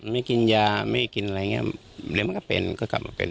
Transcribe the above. ไม่กินยาไม่กินอะไรอย่างเงี้ยแล้วมันก็เป็นก็กลับมาเป็น